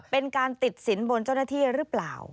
เป็นการติดสินบนเจ้าหน้าที่หรือเปล่า